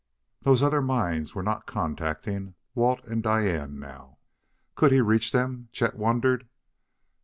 Those other minds were not contacting Walt and Diane now. Could he reach them? Chet wondered.